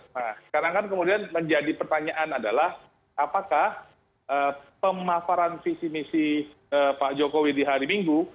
nah sekarang kan kemudian menjadi pertanyaan adalah apakah pemasaran visi misi pak jokowi di hari minggu